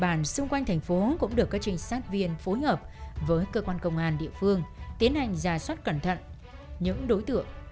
bên cạnh đó những địa bàn xung quanh thành phố cũng được các trinh sát viên phối hợp với cơ quan công an địa phương tiến hành ra soát cẩn thận những đối tượng